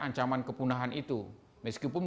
ancaman kepunahan itu meskipun